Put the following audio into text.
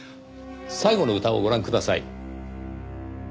最後の歌をご覧ください。